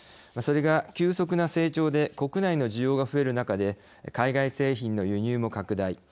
それが急速な成長で国内の需要が増える中で海外製品の輸入も拡大。